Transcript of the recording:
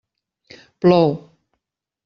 Plou.